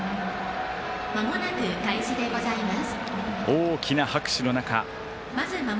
まもなく開始でございます。